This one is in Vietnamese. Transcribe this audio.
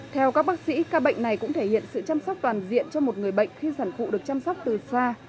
theo các bác sĩ ca bệnh này cũng thể hiện sự chăm sóc toàn diện cho một người bệnh khi sản phụ được chăm sóc từ xa